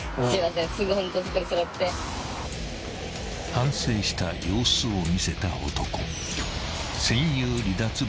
［反省した様子を見せた男］